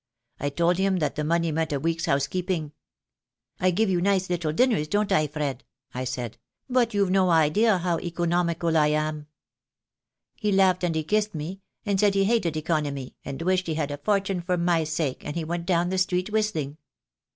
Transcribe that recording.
I told him that the money meant a week's housekeeping. 'I give you nice little dinners, don't I, Fred?' I said, 'but you've no idea how economical I am.' He laughed and kissed me, and said he hated economy, and wished he had a fortune for my sake, and he went down the street whistling.